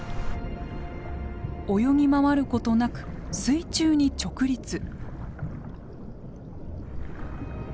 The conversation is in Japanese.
泳ぎ回ることなく水中に直立。